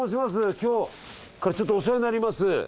今日からちょっとお世話になります。